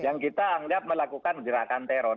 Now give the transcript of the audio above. yang kita anggap melakukan gerakan teror